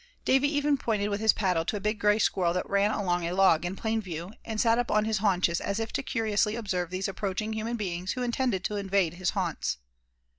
Davy even pointed with his paddle to a big gray squirrel that ran along a log in plain view, and sat up on his haunches as if to curiously observe these approaching human beings who intended to invade his haunts.